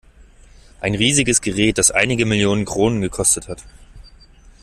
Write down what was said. Ein riesiges Gerät, das einige Millionen Kronen gekostet hat.